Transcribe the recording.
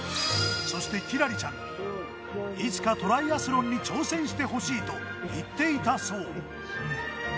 そして輝星ちゃんに、いつかトライアスロンに挑戦してほしいと言っていたそう。